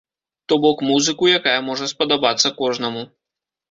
То бок, музыку, якая можа спадабацца кожнаму.